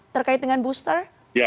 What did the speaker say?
terkait dengan booster